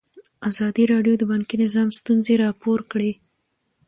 ازادي راډیو د بانکي نظام ستونزې راپور کړي.